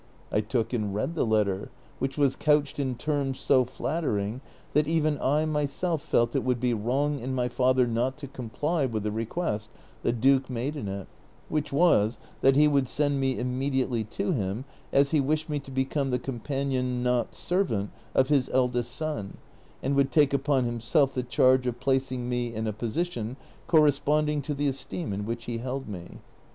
I took and read the letter, which was couched in terms so flattering that even I myself felt it would be wrong in my father not to comply witii the request the duke made in it, which was that he would send me immediately to him, as he wished me to become the conii^anion, not servant, of his eldest son, and would take upon himself the charge of placing me in a position corresponding to the esteem in which he held me.